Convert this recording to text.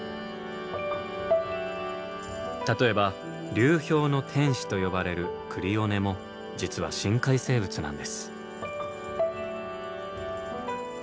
例えば流氷の天使と呼ばれるクリオネも実は深海生物なんです。